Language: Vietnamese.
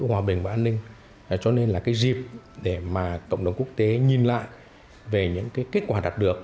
hòa bình và an ninh cho nên là dịp để cộng đồng quốc tế nhìn lại về những kết quả đạt được